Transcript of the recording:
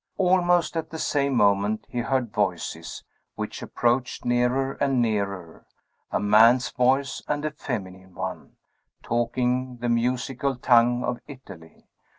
Almost at the same moment he heard voices, which approached nearer and nearer; a man's voice, and a feminine one, talking the musical tongue of Italy.